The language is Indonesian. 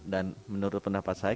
dan menurut pendapat saya